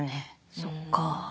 そっか。